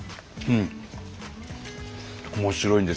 うん。